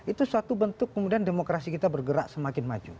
itu suatu bentuk kemudian demokrasi kita bergerak semakin maju